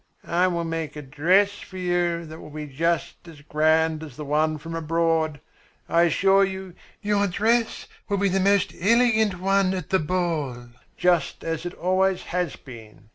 I will make a dress for you that will be just as grand as the one from abroad. I assure you, your dress will be the most elegant one at the ball, just as it always has been.